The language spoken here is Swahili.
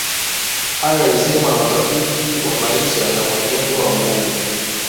hayo yalisemwa na watafiti wa maisha na mwenendo wa mbuni